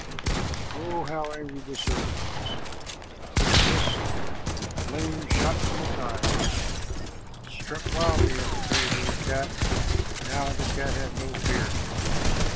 Oh, how angry the serpent was! It hissed, and the flames shot from its eyes. It struck wildly at the brave little cat, but now the cat had no fear.